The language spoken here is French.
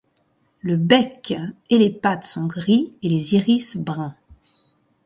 Le bec et les pattes sont gris et les iris bruns.